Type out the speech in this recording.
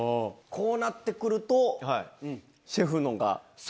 こうなって来るとシェフのが。